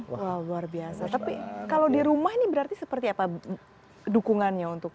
wah luar biasa tapi kalau di rumah ini berarti seperti apa dukungannya untuk